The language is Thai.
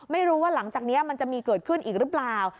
ไม่รู้ว่าหลังจากนี้มันจะมีเกิดขึ้นอีกหรือเปล่า